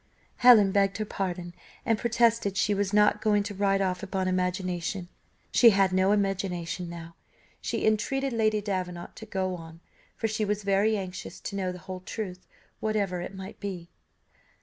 Helen begged pardon, and protested she was not going to ride off upon any imagination, she had no imagination now she entreated Lady Davenant to go on, for she was very anxious to know the whole truth, whatever it might be.